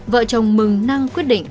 vợ chồng mừng năng quyết định